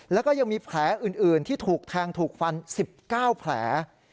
แล้วก็ยังมีแผลอื่นที่ถูกแทงถูกฟัน๑๙แผล